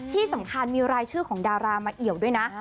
ที่สำคัญมีรายชื่อของดารามาเอี่ยวด้วยนะ